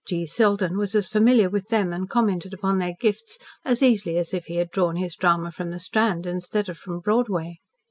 G. Selden was as familiar with them and commented upon their gifts as easily as if he had drawn his drama from the Strand instead of from Broadway.